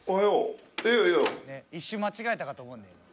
「一瞬間違えたかと思うんだよね」